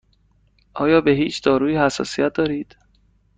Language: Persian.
آیا به هیچ دارویی حساسیت دارید؟